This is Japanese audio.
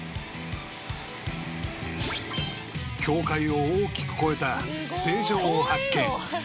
［境界を大きく越えた「成城」を発見］